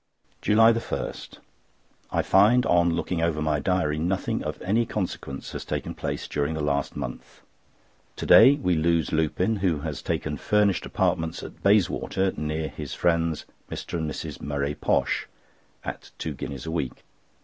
JULY 1.—I find, on looking over my diary, nothing of any consequence has taken place during the last month. To day we lose Lupin, who has taken furnished apartments at Bayswater, near his friends, Mr. and Mrs. Murray Posh, at two guineas a week.